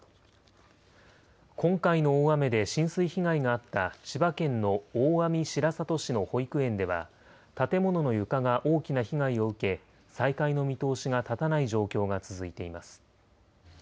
今回の大雨で浸水被害があった千葉県の大網白里市の保育園では、建物の床が大きな被害を受け、再開の見通しが立たない状況が続いています。